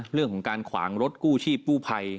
เรื่องของการขวางรถกู้ชีพกู้ภัย